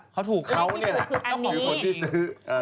เขาเนี่ยแหละคือคนที่ซื้อ